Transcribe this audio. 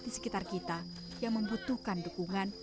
di sekitar kita yang membutuhkan dukungan